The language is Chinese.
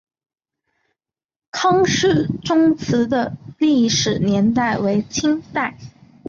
康氏宗祠的历史年代为清代。